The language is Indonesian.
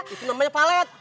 itu namanya palet